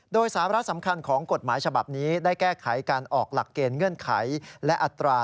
โดยสาระสำคัญของกฎหมายฉบับนี้ได้แก้ไขการออกหลักเกณฑ์เงื่อนไขและอัตรา